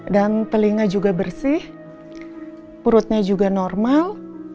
dan telinga juga bersih perutnya juga normal